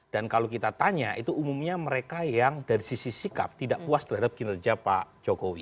dan kalau kita tanya itu umumnya mereka yang dari sisi sikap tidak puas terhadap kinerja pak jokowi